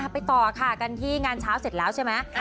ไปต่อค่ะกันที่งานเช้าเสร็จแล้วใช่ไหม